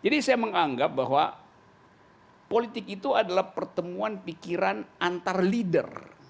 jadi saya menganggap bahwa politik itu adalah pertemuan pikiran antar leader